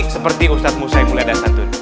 seperti ustadz musa'i mulla dan santun